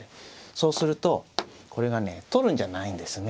そうするとこれがね取るんじゃないんですね。